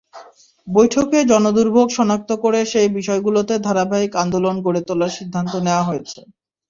বৈঠকে জনদুর্ভোগ শনাক্ত করে সেই বিষয়গুলোতে ধারাবাহিক আন্দোলন গড়ে তোলার সিদ্ধান্ত নেওয়া হয়েছে।